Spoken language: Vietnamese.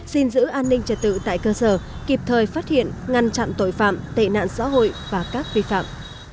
xin giữ an ninh trật tự tại cơ sở kịp thời phát hiện ngăn chặn tội phạm tệ nạn xã hội và các vi phạm